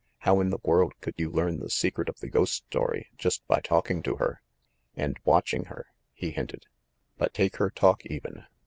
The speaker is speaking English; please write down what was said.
How in the world could you learn the secret of the ghost story, just by talking to her?" "And watching her?" he hinted. "But take her talk, even.